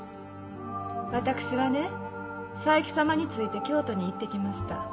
・私はね佐伯様について京都に行ってきました。